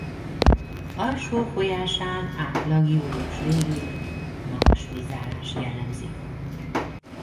Alsó folyásán átlag július végéig magas vízállás jellemzi.